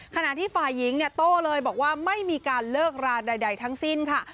ขณะที่ฝ่ายหญิงเนี่ยโต้เลยบอกว่าไม่มีการเลิกราใดทั้งสิ้นค่ะ